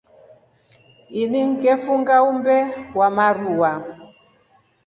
Ina ngefunga umbe wa marua.